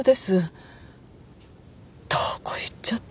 どこ行っちゃったの？